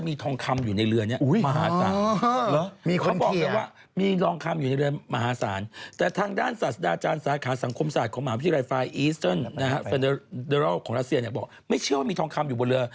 มีลองคำอยู่ในเรือนมหาสารแต่ทางด้านศาสดาจารย์สหาสารขาสังคมศาสตร์ของมหาวิทยาลัยไฟอีสเติร์นนะครับเฟรนเดอรอลของรัฐเสียบอกไม่เชื่อว่ามีทองคำอยู่บนเรือ